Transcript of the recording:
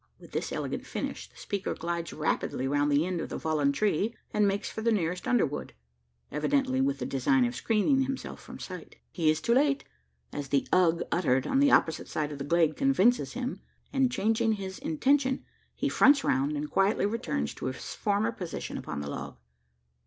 With this elegant finish, the speaker glides rapidly round the end of the fallen tree, and makes for the nearest underwood evidently with the design of screening himself from sight. He is too late as the "Ugh" uttered on the opposite side of the glade convinces him and changing his intention, he fronts round, and quietly returns to his former position upon the log.